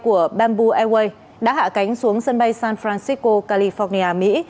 của bamboo airways đã hạ cánh xuống sân bay san francisco california mỹ